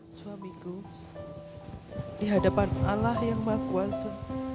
suamiku di hadapan allah yang maha kuasa